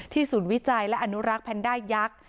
ศูนย์วิจัยและอนุรักษ์แพนด้ายักษ์